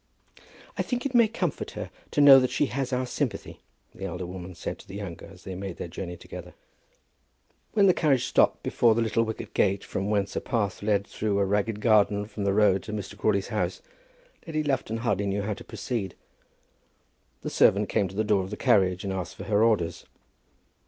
"I think it may comfort her to know that she has our sympathy," the elder woman said to the younger as they made their journey together. When the carriage stopped before the little wicket gate, from whence a path led through a ragged garden from the road to Mr. Crawley's house, Lady Lufton hardly knew how to proceed. The servant came to the door of the carriage, and asked for her orders.